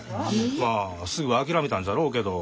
まあすぐ諦めたんじゃろうけど。